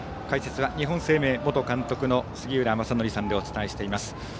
解説は日本生命元監督の杉浦正則さんでお伝えしています。